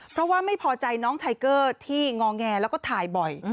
เพราะว่าไม่พอใจน้องไทเกอร์ที่งอแงแล้วก็ถ่ายบ่อย